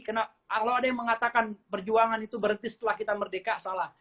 kalau ada yang mengatakan perjuangan itu berhenti setelah kita merdeka salah